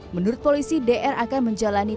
menurut polisi dr akan menjalani